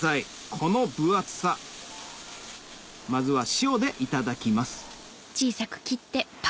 この分厚さまずは塩でいただきます